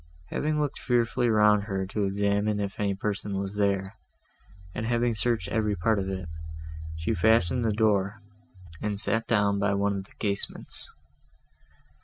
Having looked fearfully round her, to examine if any person was there, and having searched every part of it, she fastened the door, and sat down by one of the casements.